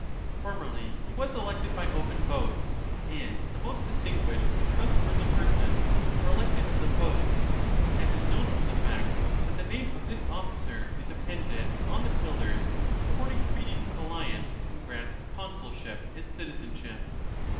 Formerly he was elected by open vote, and the most distinguished and trustworthy persons were elected to the post, as is known from the fact that the name of this officer is appended on the pillars recording treaties of alliance and grants of consulship l and citizenship.